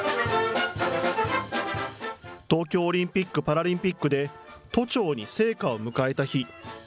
東京オリンピック・パラリンピックで都庁に聖火を迎えた日。